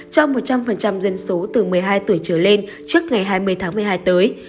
cho một trăm linh dân số từ một mươi hai tuổi trở lên trước ngày hai mươi tháng một mươi hai tới